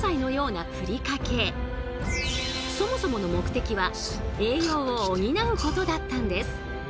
そもそもの目的は栄養を補うことだったんです。